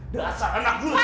dasar anak lu tak akan kamu